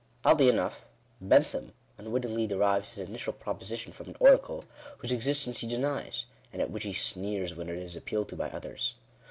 Oddly enough Benth am unwittingly derives his initial proposition from an oracle whose existence he denies, and at which he sneers when it is appealed to by others.